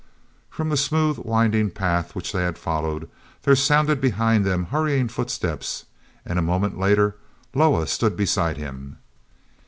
From the smooth winding path which they had followed there sounded behind them hurrying footsteps; a moment later Loah stood beside him.